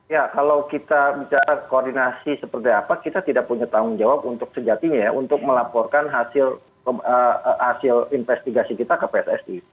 ya kalau kita bicara koordinasi seperti apa kita tidak punya tanggung jawab untuk sejatinya ya untuk melaporkan hasil investigasi kita ke pssi